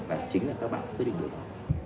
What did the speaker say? và chính là các bạn quyết định điều đó